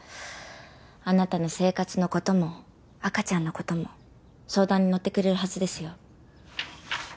あなたの生活の事も赤ちゃんの事も相談に乗ってくれるはずですよ。